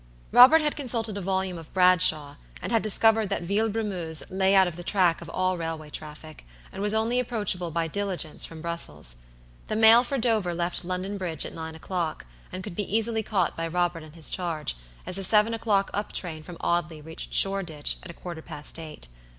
Robert had consulted a volume of Bradshaw, and had discovered that Villebrumeuse lay out of the track of all railway traffic, and was only approachable by diligence from Brussels. The mail for Dover left London Bridge at nine o'clock, and could be easily caught by Robert and his charge, as the seven o'clock up train from Audley reached Shoreditch at a quarter past eight.